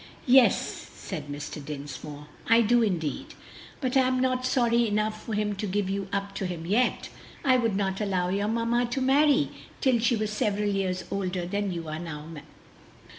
"Yes," said Mr. Dinsmore, "I do indeed! but am not sorry enough for him to give you up to him yet. I would not allow your mamma to marry till she was several years older than you are now."